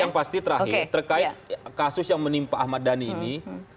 yang pasti terakhir terkait kasus yang menimpa ahmad dhani ini